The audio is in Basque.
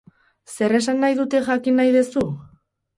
Zer esan nahi dute jakin nahi dezu?